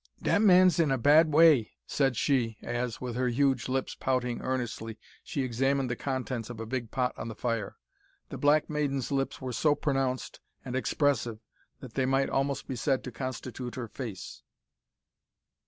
"Dat man's in a bad way," said she, as, with her huge lips pouting earnestly, she examined the contents of a big pot on the fire. The black maiden's lips were so pronounced and expressive that they might almost be said to constitute her face!